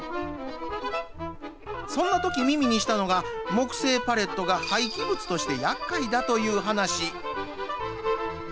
そんなとき耳にしたのが木製パレットが廃棄物として厄介だという話。